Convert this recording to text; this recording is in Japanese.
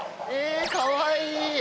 かわいい。